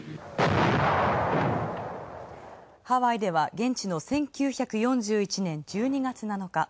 ハワイでは現地の１９４１年１２月７日